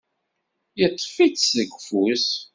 Yeṭṭef-itt seg ufus.